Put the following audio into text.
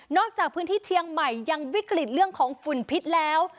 จากพื้นที่เชียงใหม่ยังวิกฤตเรื่องของฝุ่นพิษแล้ว